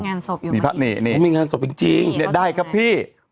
มีภาพงานศพอยู่มีภาพเนี่ยเนี่ยมันมีงานศพจริงจริงเนี่ยได้ครับพี่